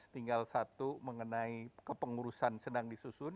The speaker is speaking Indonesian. tinggal satu mengenai kepengurusan sedang disusun